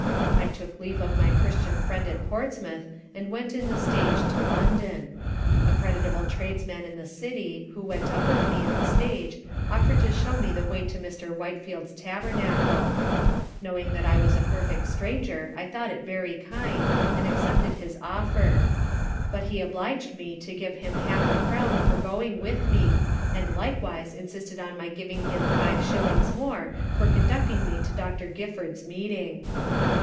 I took leave of my Christian friend at Portsmouth, and went in the stage to London. A creditable tradesman in the City, who went up with me in the stage, offer'd to show me the way to Mr. Whitefield's Tabernacle. Knowing that I was a perfect stranger, I thought it very kind, and accepted his offer; but he obliged me to give him half a crown for going with me, and likewise insisted on my giving him five shillings more for conducting me to Dr. Gifford's Meeting.